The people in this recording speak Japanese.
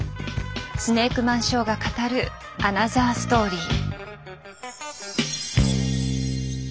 スネークマンショーが語るアナザーストーリー。